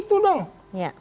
kalau dulu kita bisa